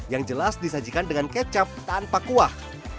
yang jelas disajikan dengan kecap tanpa kuah